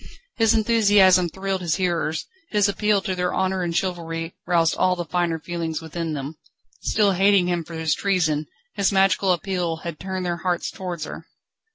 His enthusiasm thrilled his hearers, his appeal to their honour and chivalry roused all the finer feelings within them. Still hating him for his treason, his magical appeal had turned their hearts towards her.